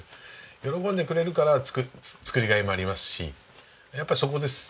喜んでくれるから作りがいもありますしやっぱりそこです。